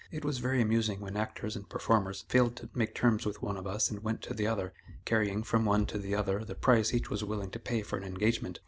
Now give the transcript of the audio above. It was very amusing when actors and performers failed to make terms with one of us and went to the other, carrying from one to the other the price each was willing to pay for an engagement.